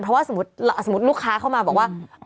เพราะว่าสมมุติลูกค้าเข้ามาบอกว่า